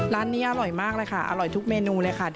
ร้านนี้อร่อยมากเลยค่ะอร่อยทุกเมนูเลยค่ะ